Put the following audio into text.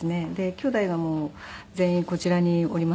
きょうだいがもう全員こちらにおりますので。